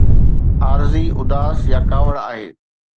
عارضي اداس يا ڪاوڙ آهي.